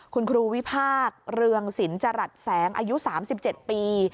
คุณครูวิพากษ์เรืองสินจรัสแสงอายุ๓๗ปี